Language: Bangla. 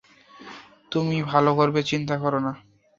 তুমি ভালোই করবে, চিন্তা কোরো না।